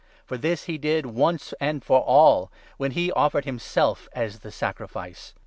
For this he did once and for all, when he offered himself as the sacrifice.